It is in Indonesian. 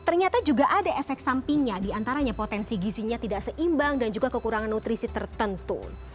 nah ternyata juga ada efek sampingnya di antaranya potensi gizinnya tidak seimbang dan juga kekurangan nutrisi tertentu